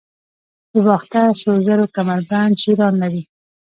د باختر سرو زرو کمربند شیران لري